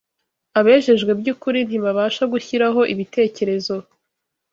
Abejejwe by’ukuri ntibabasha gushyiraho ibitekerezo